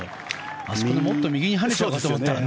あそこでもっと右に跳ねちゃうかと思ったら。